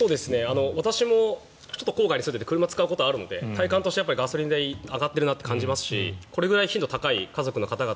私も郊外に住んでいて車を使うことがあるので体感としてガソリン代上がっていると思いますしこれくらい頻度が高い家族の方々